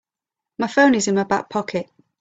My phone is in my back pocket.